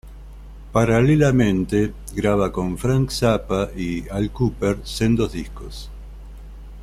Paralelamente, graba con Frank Zappa y Al Kooper, sendos discos.